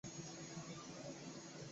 此山下即是现在的毕打街。